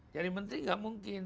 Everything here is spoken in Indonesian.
jadi menteri gak mungkin